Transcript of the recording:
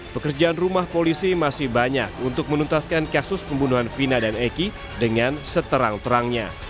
pekerjaan rumah polisi masih banyak untuk menuntaskan kasus pembunuhan vina dan eki dengan seterang terangnya